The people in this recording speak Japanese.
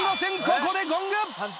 ここでゴング。